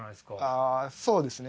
あそうですね。